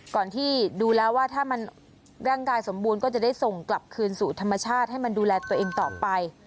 ก่อนที่ดูแล้วว่าถ้ามันร่างกายสมบูรณ์ก็จะได้ส่งกลับคืนสู่ธรรมชาติให้มันดูแลตัวเองต่อไป